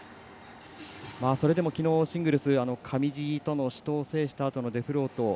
それでもきのうシングルス上地との死闘を制したあとのデフロート